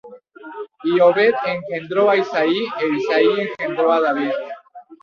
Y Obed engendró á Isaí, é Isaí engendró á David.